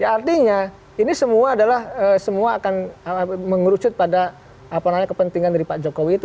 artinya ini semua akan menguruskan pada kepentingan dari pak jokowi itu